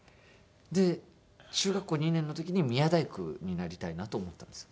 で中学校２年の時に宮大工になりたいなと思ったんです。